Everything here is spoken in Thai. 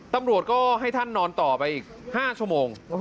ตำรวจก็ให้ท่านนอนต่อไปอีก๕ชั่วโมง